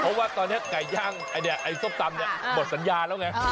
เพราะว่าตอนนี้ไก่ย่างไอ้ส้มตำเนี่ยหมดสัญญาแล้วไง